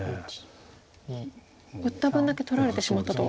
打った分だけ取られてしまったと。